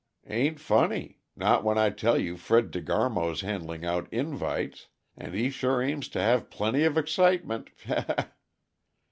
"Ain't funny not when I tell you Fred De Garmo's handing out the _in_vites, and he sure aims to have plenty of excitement _he he!